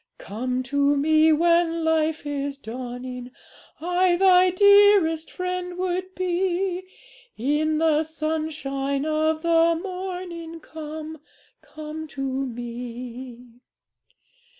'"Come to Me when life is dawning, I thy dearest Friend would be; In the sunshine of the morning, Come, come to Me.